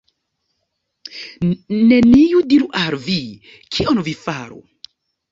Neniu diru al vi, kion vi faru.